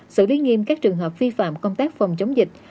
xử lý nghiêm các trường hợp vi phạm công tác phòng chống dịch